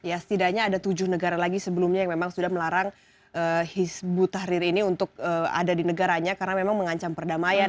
ya setidaknya ada tujuh negara lagi sebelumnya yang memang sudah melarang hizbut tahrir ini untuk ada di negaranya karena memang mengancam perdamaian